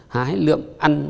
hái lượm ăn